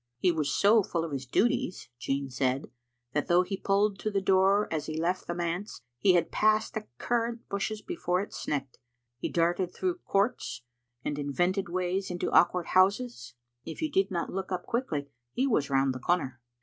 He was so full of his duties, Jean said, that though he pulled to the door as he left the manse, he had passed the cur rant bushes before it snecked. He darted through courts, and invented ways into awkward bouses. If Digitized by VjOOQ IC <n>e Sgisptfaii. n you did not look up quickly he was round the corner.